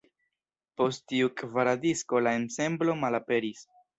Post tiu kvara disko la ensemblo malaperis.